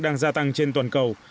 đang gia tăng trên toàn cầu